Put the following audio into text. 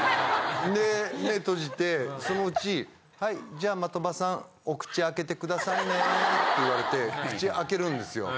で目閉じてそのうちはいじゃあ的場さん。って言われて口開けるんですよ。